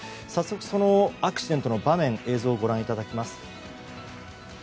早速、アクシデントの場面映像をご覧いただきます。